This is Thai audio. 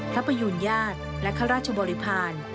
พระประยูนญาติและข้าราชบริพาณ